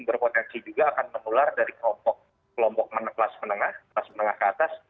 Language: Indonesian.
berpotensi juga akan memular dari kelompok kelas menengah ke atas